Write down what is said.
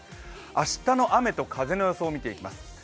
明日の雨と風の予想を見ていきます。